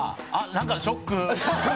何かショック。